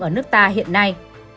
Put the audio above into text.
ở nước ta hiện nay